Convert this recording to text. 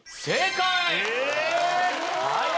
正解！